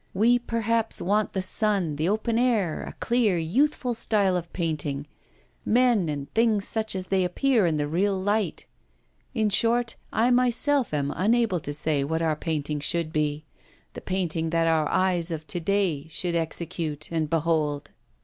We, perhaps, want the sun, the open air, a clear, youthful style of painting, men and things such as they appear in the real light. In short, I myself am unable to say what our painting should be; the painting that our eyes of to day should execute and behold.